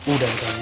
udah udah ini